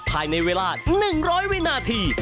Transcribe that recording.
ภายในเวลา๑๐๐วินาที